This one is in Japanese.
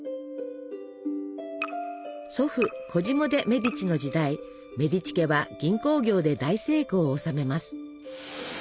祖父コジモ・デ・メディチの時代メディチ家は銀行業で大成功を収めます。